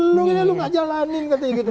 lu gak jalanin